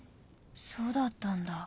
そうだったんだ。